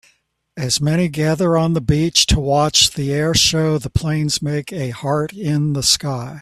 As many gather on the beach to watch the air show the planes make a heart in the sky